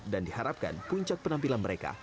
dan diharapkan puncak penampilan mereka